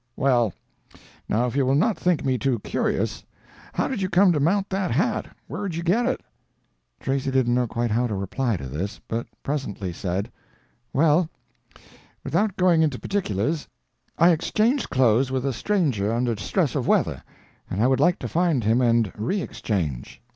"Well, now if you will not think me too curious, how did you come to mount that hat? Where'd you get it?" Tracy didn't know quite how to reply to this, but presently said, "Well, without going into particulars, I exchanged clothes with a stranger under stress of weather, and I would like to find him and re exchange."